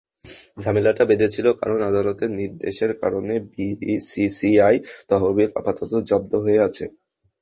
ঝামেলাটা বেঁধেছিল, কারণ আদালতের নির্দেশের কারণে বিসিসিআই তহবিল আপাতত জব্দ হয়ে আছে।